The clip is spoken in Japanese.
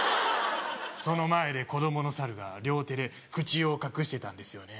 その前で子供のサルが両手で口を隠していたんですよね